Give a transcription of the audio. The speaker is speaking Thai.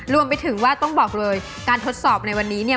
รวมไปถึงว่าต้องบอกเลยการทดสอบในวันนี้เนี่ย